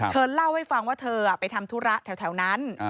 เธอเล่าให้ฟังว่าเธอไปทำธุระแถวนั้น